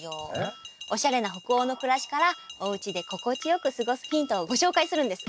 おしゃれな北欧の暮らしからおうちで心地よく過ごすヒントをご紹介するんです。